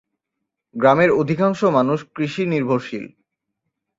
গ্রামের অধিকাংশ মানুষ কৃষি নির্ভরশীল।